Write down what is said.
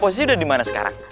ustaznya udah dimana sekarang